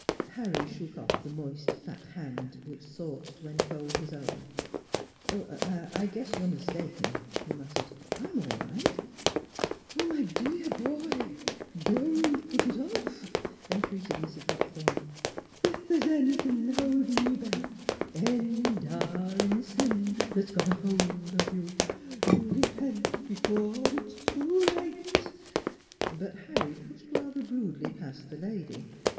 Harry shook off the moist, fat hand which sought to enfold his own. " Oh, I guess you're mistaken," he muttered. " I'm all right." " Oh, my de ar boy, don't put it off !" en treated Mrs. Buckthorn. " If the's anythin' holdin' you back any darlin' sin that's got a holt of you do repent b'fore it's too late! " But Harry pushed rather rudely past the lady.